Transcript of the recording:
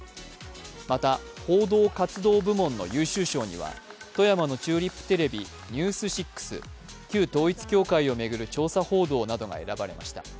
また、報道活動部門の優秀賞には富山のチューリップテレビ「ニュース６旧統一教会をめぐる調査報道」などが選ばれました。